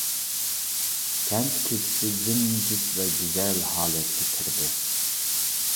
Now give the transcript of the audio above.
كەنت كېچىسى جىمجىت ۋە گۈزەل ھالەتكە كىردى.